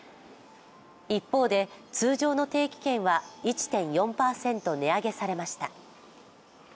一方で、通常の定期券は１．４％値上げされました。